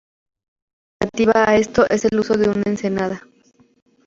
Una alternativa a esto es el uso de una ensenada.